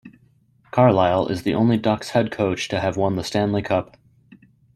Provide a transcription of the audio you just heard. Carlyle is the only Ducks head coach to have won the Stanley Cup.